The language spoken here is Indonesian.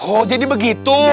oh jadi begitu